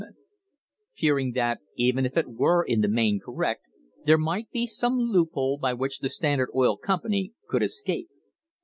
THE BREAKING UP OF THE TRUST fearing that, even if it were in the main correct, there might be some loophole by which the Standard Oil Company could escape.